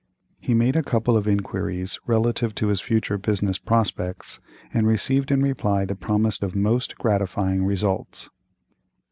He made a couple of inquiries relative to his future business prospects, and received in reply the promise of most gratifying results.